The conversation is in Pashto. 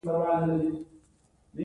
ایري کانال هم په همدې موده کې جوړ شو.